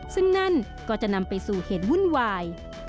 ซึ่งนั่นก็จะนำไปสู่เหตุวุ่นวาย